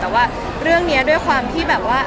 แต่ว่าเรื่องนี้ด้วยความที่แบบว่า